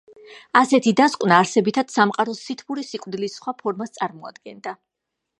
ასეთი დასკვნა არსებითად სამყაროს სითბური სიკვდილის სხვა ფორმას წარმოადგენდა.